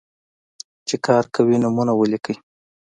چې کار کوي، نومونه ولیکئ.